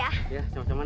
ya sama sama nek